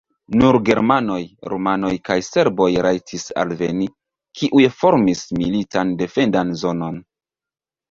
Nur germanoj, rumanoj kaj serboj rajtis alveni, kiuj formis militan defendan zonon.